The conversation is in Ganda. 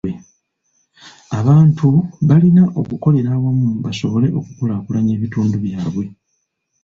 Abantu balina okukolera awamu basobole okukulaakulanya ebitundu byabwe.